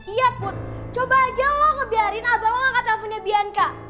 iya put coba aja lo ngebiarin abang lo angkat teleponnya bianca